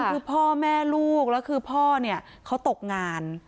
คือพ่อแม่ลูกแล้วคือพ่อเนี่ยเขาตกงาน